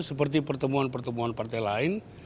seperti pertemuan pertemuan partai lain